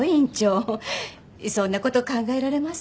そんな事考えられます？